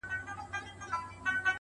• ولي مي هره شېبه؛ هر ساعت پر اور کړوې؛